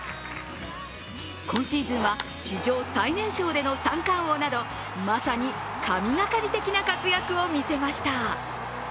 今シーズンは史上最年少での三冠王などまさに神懸かり的な活躍を見せました。